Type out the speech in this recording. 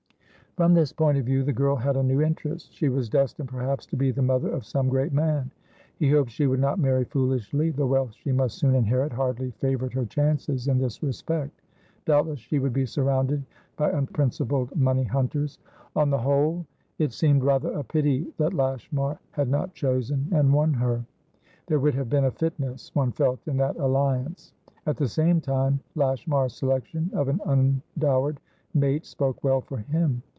From this point of view, the girl had a new interest. She was destined, perhaps, to be the mother of some great man. He hoped she would not marry foolishly; the wealth she must soon inherit hardly favoured her chances in this respect; doubtless she would be surrounded by unprincipled money hunters. On the whole, it seemed rather a pity that Lashmar had not chosen and won her; there would have been a fitness, one felt, in that alliance. At the same time, Lashmar's selection of an undowered mate spoke well for him.